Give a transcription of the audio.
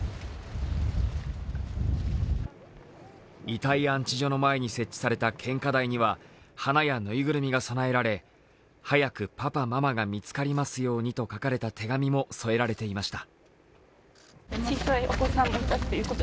遺体安置所の前に設置された献花台には花やぬいぐるみが供えられ早くパパ、ママが見つかりますようにと書かれた手紙も添えられていました。